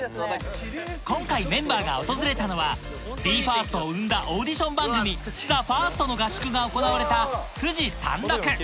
今回メンバーが訪れたのはＢＥ：ＦＩＲＳＴを生んだオーディション番組『ＴＨＥＦＩＲＳＴ』の合宿が行われた富士山麓